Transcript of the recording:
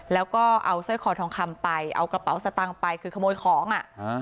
แล้วก็เอาสร้อยคอทองคำไปเอากระเป๋าสตางค์ไปคือขโมยของอ่ะ